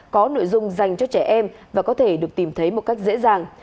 có nội dung dành cho trẻ em và có thể được tìm thấy một cách dễ dàng